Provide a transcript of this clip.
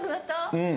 うん。